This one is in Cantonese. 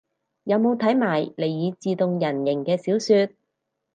有冇睇埋尼爾自動人形嘅小說